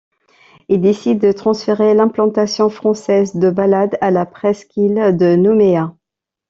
Il décide de transférer l'implantation française de Balade à la presqu'île de Nouméa.